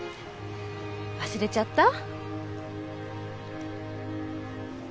忘れちゃった？